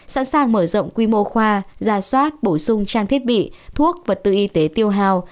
sẵn sàng mở rộng quy mô khoa ra soát bổ sung trang thiết bị thuốc vật tư y tế tiêu hào